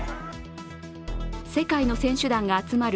世界の選手団が集まる